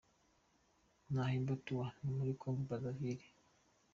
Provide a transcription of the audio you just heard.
Nahemba Tower, yo muri Congo Brazzaville.